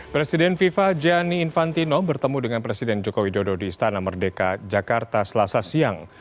presiden fifa gianni infantino bertemu dengan presiden joko widodo di istana merdeka jakarta selasa siang